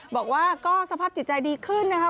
บอกว่าก็สภาพจิตใจดีขึ้นนะครับ